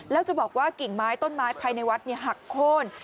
แล้วจะบอกว่ากิ่งไม้ต้นไม้ภายในวัดหักโค้น